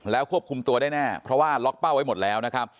แล้วควบคุมตัวได้แน่เพราะว่าล็อกเป้าไว้หมดแล้วนะครับ